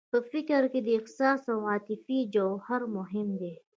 په فکر کې د احساس او عاطفې جوهر مهم دی